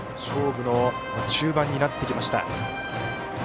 勝負の中盤になってきました。